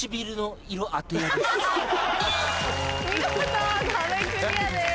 見事壁クリアです。